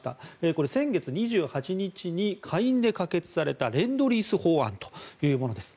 これ、先月２８日に下院で可決されたレンドリース法案というものです。